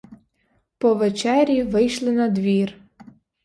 По вечері вийшли на двір.